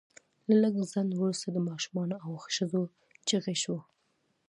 له لږ ځنډ وروسته د ماشومانو او ښځو چیغې شوې